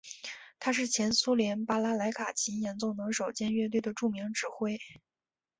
他是前苏联巴拉莱卡琴演奏能手兼乐队的著名指挥。